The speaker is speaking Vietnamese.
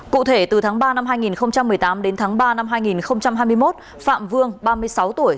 cụ thể từ tháng ba năm hai nghìn một mươi tám đến tháng ba năm hai nghìn hai mươi một phạm vương ba mươi sáu tuổi